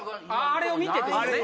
あれを見ててね。